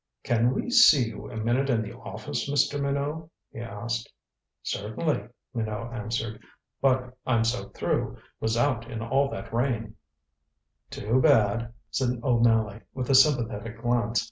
"Can we see you a minute in the office, Mr. Minot?" he asked. "Certainly," Minot answered. "But I'm soaked through was out in all that rain " "Too bad," said O'Malley, with a sympathetic glance.